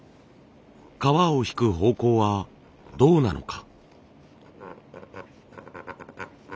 皮を引く方向はどうなのか。